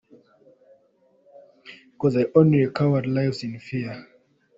Coz only a coward lives in fear.